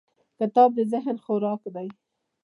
کتاب د ذهن خوراک دی.